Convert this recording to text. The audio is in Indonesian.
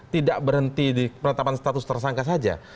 tidak berhenti di penetapan status tersangka saja